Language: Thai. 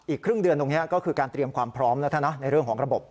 ครึ่งเดือนตรงนี้ก็คือการเตรียมความพร้อมแล้วนะในเรื่องของระบบ